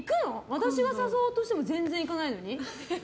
私が誘おうとしても全然行かないのに？